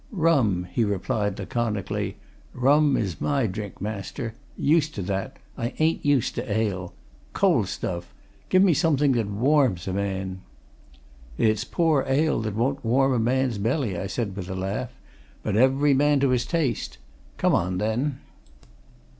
"Rum," he replied, laconically. "Rum is my drink, master. Used to that I ain't used to ale. Cold stuff! Give me something that warms a man." "It's poor ale that won't warm a man's belly," I said with a laugh. "But every man to his taste. Come on, then."